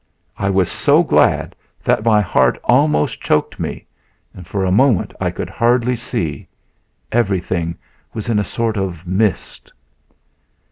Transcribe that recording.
I was so glad that my heart almost choked me and for a moment I could hardly see everything was in a sort of mist.